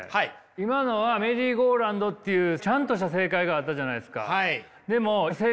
今のはメリーゴーランドっていうちゃんとした正解があったじゃないですか。